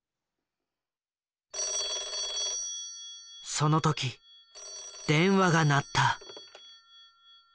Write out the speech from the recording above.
☎その時電話が鳴った。